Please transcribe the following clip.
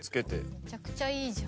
めちゃくちゃいいじゃん。